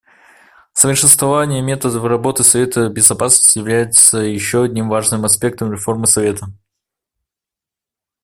Совершенствование методов работы Совета Безопасности является еще одним важным аспектом реформы Совета.